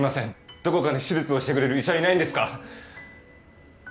どこかに手術をしてくれる医者はいないんですか？